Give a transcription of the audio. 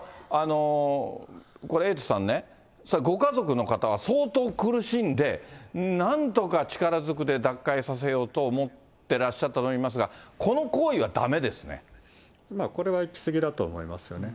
これ、エイトさんね、ご家族の方は相当苦しんで、なんとか力ずくで脱会させようと思ってらっしゃったと思いますが、これは行き過ぎだと思いますよね。